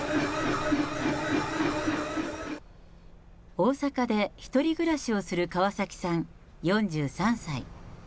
大阪で１人暮らしをする川崎さん４３歳。